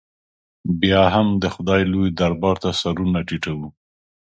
بیا هم د خدای لوی دربار ته سرونه ټیټو.